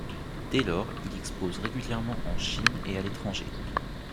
Dès lors il expose régulièrement en Chine et à l'étranger.